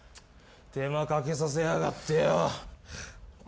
手間かけさせやがってよ。